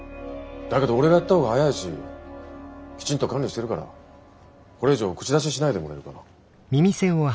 だけど俺がやった方が早いしきちんと管理してるからこれ以上口出ししないでもらえるかな？